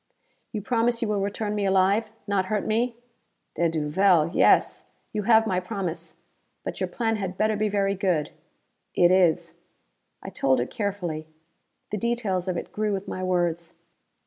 "You promise you will return me alive? Not hurt me?" "De duvel yes! You have my promise. But your plan had better be very good." "It is." I told it carefully. The details of it grew with my words.